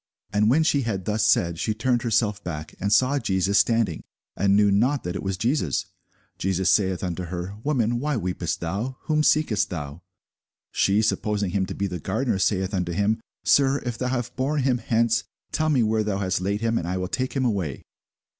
And when she had thus said, she turned herself back, and saw Jesus standing, and knew not that it was Jesus. Jesus saith unto her, Woman, why weepest thou? whom seekest thou? She, supposing him to be the gardener, saith unto him, Sir, if thou have borne him hence, tell me where thou hast laid him, and I will take him away.